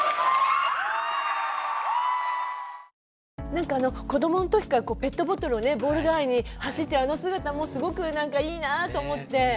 何か子供の時からペットボトルをねボール代わりに走ってるあの姿もすごく何かいいなと思って。